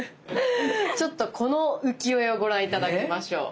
ちょっとこの浮世絵をご覧頂きましょう。